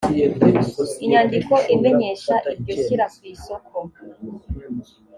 inyandiko imenyesha iryo shyira kw’isoko